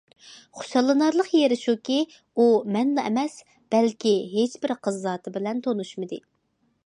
خۇشاللىنارلىق يېرى شۇكى، ئۇ مەنلا ئەمەس، بەلكى ھېچبىر قىز زاتى بىلەن تونۇشمىدى.